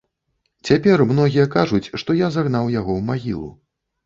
Цяпер многія кажуць, што я загнаў яго ў магілу.